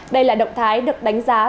đây là động thái được đánh giá